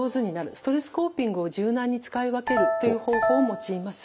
ストレスコーピングを柔軟に使い分けるという方法を用います。